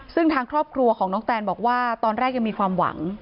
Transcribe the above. ซึ่งทางครอบครัวของน้องแตนบอกว่าตอนแรกยังมีความหวัง